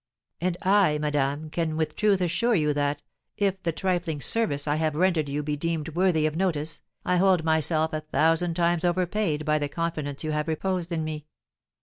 "And I, madame, can with truth assure you that, if the trifling service I have rendered you be deemed worthy of notice, I hold myself a thousand times overpaid by the confidence you have reposed in me.